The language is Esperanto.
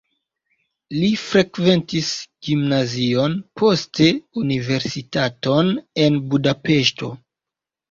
Li frekventis gimnazion, poste universitaton en Budapeŝto.